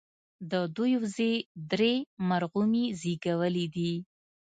د دوي وزې درې مرغومي زيږولي دي